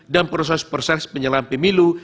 dan proses proses penyelenggaraan pemilu